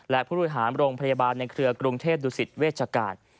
และผู้บริหารโรงพยาบาลในเครือกรุงเทพดุสิตเวชการ